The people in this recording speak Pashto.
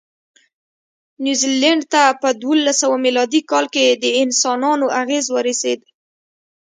نیوزیلند ته په دوولسسوه مېلادي کې د انسانانو اغېز ورسېد.